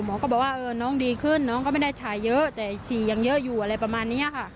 ก็บอกว่าน้องดีขึ้นน้องก็ไม่ได้ถ่ายเยอะแต่ฉี่ยังเยอะอยู่อะไรประมาณนี้ค่ะ